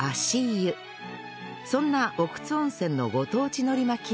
そんな奥津温泉のご当地海苔巻きが